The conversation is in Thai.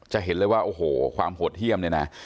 จะเห็นเลยว่าโอ้โหความโหดเยี่ยมเนี่ยนะ